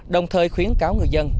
đồng thời khuyến cáo người dân